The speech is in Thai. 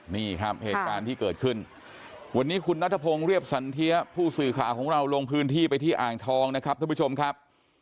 นี่ครับเหตุการณ์ที่เกิดขึ้นวันนี้คุณนัทพงศ์เรียบสันเทียผู้สื่อข่าวของเราลงพื้นที่ไปที่อ่างทองนะครับท่านผู้ชมครับ